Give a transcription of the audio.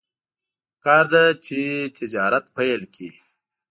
پکار ده چې تجارت پیل کړي.